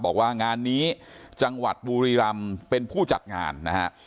บอกว่างานนี้จังหวัดบุรีรำเป็นผู้จัดงานนะฮะ